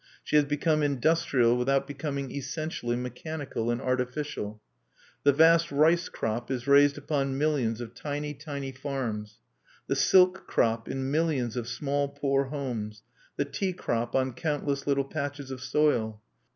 She has become industrial without becoming essentially mechanical and artificial. The vast rice crop is raised upon millions of tiny, tiny farms; the silk crop, in millions of small poor homes, the tea crop, on countless little patches of soil.